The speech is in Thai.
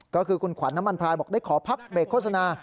ก็คือคุณขวัญน้ำมันพลายบอกได้ขอพักเบรกโฆษณา